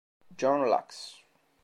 John Lax